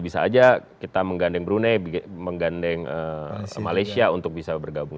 bisa aja kita menggandeng brunei menggandeng malaysia untuk bisa bergabung